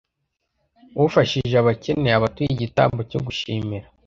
ufashije abakene, aba atuye igitambo cyo gushimira.